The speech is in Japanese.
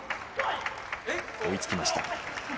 追いつきました。